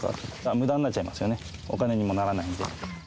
むだになっちゃいますよね、お金にもならないんで。